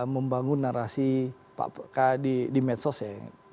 membangun narasi di medsos ya